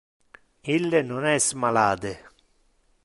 Ille non es malade.